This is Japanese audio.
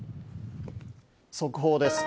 速報です。